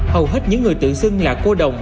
hầu hết những người tự xưng là cô đồng